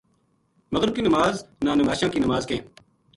مغرب کی نماز نا نماشاں کی نماز کہیں۔